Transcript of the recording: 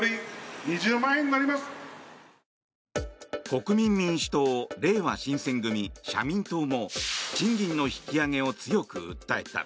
国民民主党れいわ新選組、社民党も賃金の引き上げを強く訴えた。